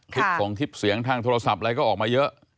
คลิปส่งคลิปเสียงทางโทรศัพท์อะไรก็ออกมาเยอะ